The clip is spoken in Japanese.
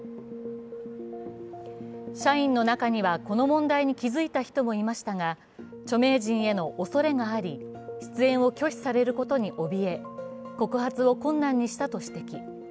社員の中には、この問題に気づいた人もいましたが、著名人への恐れがあり出演を拒否されることにおびえ、告発を困難にしたと指摘。